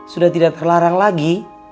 sudah tidak terlarang lagi